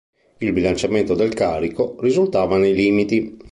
Il bilanciamento del carico risultava nei limiti.